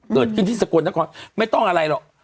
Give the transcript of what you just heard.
เกิดขึ้นที่สกลนครไม่ต้องอะไรหรอก